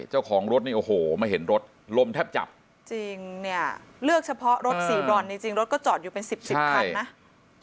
เลือกเฉพาะรถสีบรอนจริงรถก็จอดอยู่เป็น๑๐คันนะ